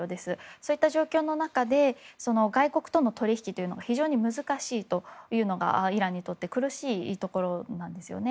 そういった状況の中で外国との取引が非常に難しいというのがイランにとって苦しいところなんですよね。